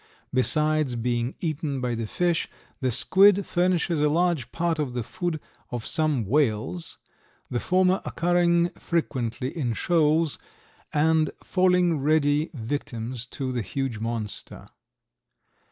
Besides being eaten by the fish the squid furnishes a large part of the food of some whales, the former occurring frequently in shoals and falling ready victims to the huge monster.